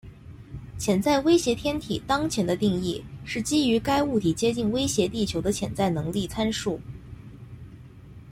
潜在威胁天体当前的定义是基于该物体接近威胁地球的潜在能力参数。